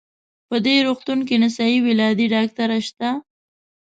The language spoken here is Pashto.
په دې روغتون کې نسایي ولادي ډاکټره شته؟